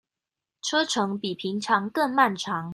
車程比平常更漫長